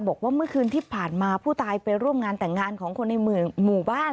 บอกว่าเมื่อคืนที่ผ่านมาผู้ตายไปร่วมงานแต่งงานของคนในหมู่บ้าน